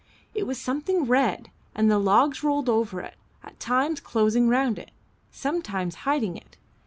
It was something red, and the logs rolled over it, at times closing round it, sometimes hiding it.